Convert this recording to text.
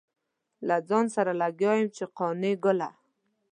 له ځان سره لګيا يم چې قانع ګله.